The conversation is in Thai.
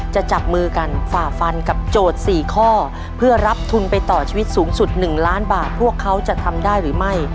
จะจับมือกันฝ่าฟันกับโจทย์๔ข้อเพื่อรับทุนไปต่อชีวิตสูงสุด๑ล้านบาทพวกเขาจะทำได้หรือไม่